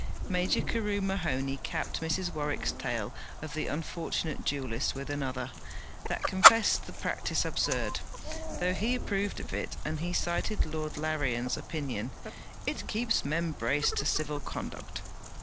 Major Carew Mahoney capped Mrs. Warwick's tale of the unfortunate duellist with another, that confessed the practice absurd, though he approved of it; and he cited Lord Larrian's opinion: 'It keeps men braced to civil conduct.'